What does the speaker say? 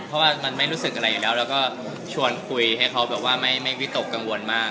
ประมาณครึ่งชั่วโมง